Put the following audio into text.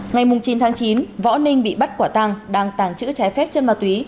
ngày chín tháng chín võ ninh bị bắt quả tăng đang tàng chữ trái phép chân ma túy